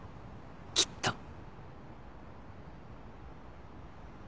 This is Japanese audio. きっと。